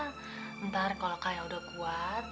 bentar kalo kalian udah kuat